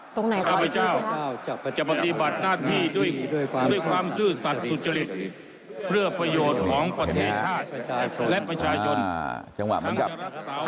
ถ้าพระเจ้าจะปฏิบัติหน้าที่ด้วยความซื่อสัตว์สุจริงเพื่อประโยชน์ของประเทศชาติและประชาชน